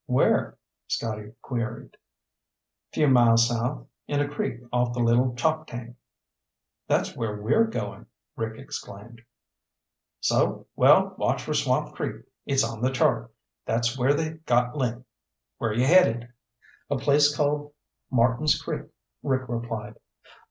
"Where?" Scotty queried. "Few miles south. In a creek off the Little Choptank." "That's where we're going!" Rick exclaimed. "So? Well, watch for Swamp Creek. It's on the chart. That's where they got Link. Where you headed?" "A place called Martins Creek," Rick replied.